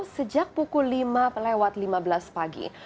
sejak pukul lima lewat lima belas pagi